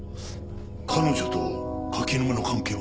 彼女と柿沼の関係は？